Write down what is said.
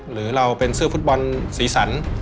หรือเราเป็นเสื้อฟุตบอลสีสัน